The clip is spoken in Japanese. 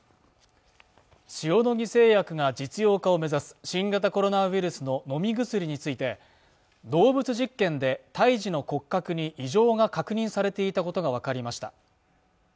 塩野義製薬が実用化を目指す新型コロナウイルスの飲み薬について動物実験で胎児の骨格に異常が確認されていたことが分かりました